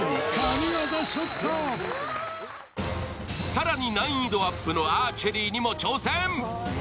更に難易度アップのアーチェリーにも挑戦。